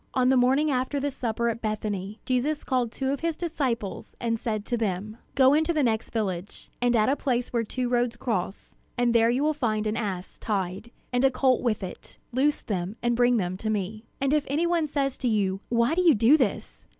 On the morning after the supper at Bethany, Jesus called two of his disciples, and said to them: "Go into the next village, and at a place where two roads cross; and there you will find an ass tied, and a colt with it. Loose them, and bring them to me. And if any one says to you, 'Why do you do this?'